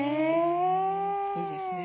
いいですね。